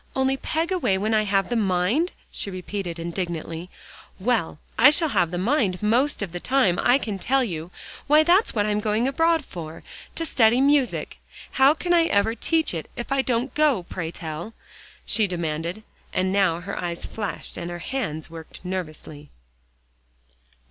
"Only peg away when I have the mind?" she repeated indignantly. "Well, I shall have the mind most of the time, I can tell you. Why, that's what I am going abroad for, to study music. How can I ever teach it, if I don't go, pray tell?" she demanded, and now her eyes flashed, and her hands worked nervously.